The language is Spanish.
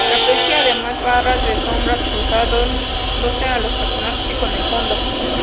Se aprecian además barras de sombras cruzándose con los personajes y con el fondo.